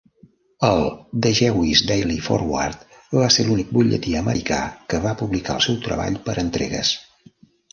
El "The Jewish Daily Forward" va ser l'únic butlletí americà que va publicar el seu treball per entregues.